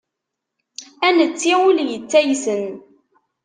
Ad netti ul yettaysen.